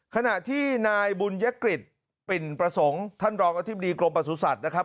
ขณะที่นายบุญยกฤษปิ่นประสงค์ท่านรองอธิบดีกรมประสุทธิ์นะครับ